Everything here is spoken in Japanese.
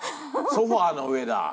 ソファの上で。